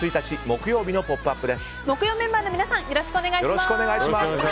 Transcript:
木曜メンバーの皆さんよろしくお願いします。